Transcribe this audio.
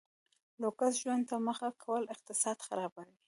لوکس ژوند ته مخه کول اقتصاد خرابوي.